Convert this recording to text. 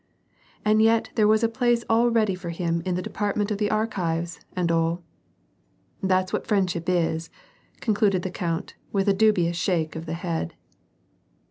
And yot there was a place all ready for him in the department of the Archives, and all. That's what friendship is," concluded the count, with a dubious shake of the head.